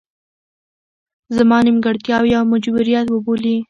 زما نیمګړتیاوې یو مجبوریت وبولي.